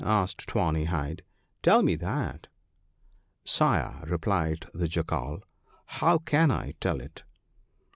' asked Tawny hide ;* tell me that !'* Sire,' replied the Jackal, ' how can I tell it